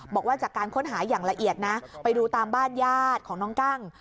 บอกว่าจากการค้นหาอย่างละเอียดนะไปดูตามบ้านญาติของน้องกั้ง